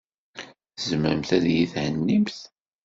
Tzemremt ad iyi-thennimt?